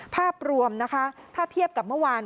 ภาพรวมนะคะถ้าเทียบกับเมื่อวาน